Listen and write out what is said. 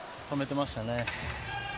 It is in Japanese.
止めてましたね。